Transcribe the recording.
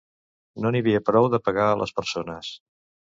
No n'hi havia prou de pegar a les persones.